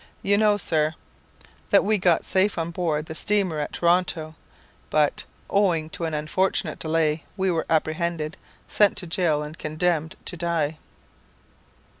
You know, Sir, that we got safe on board the steamer at Toronto; but, owing to an unfortunate delay, we were apprehended, sent to jail, and condemned to die.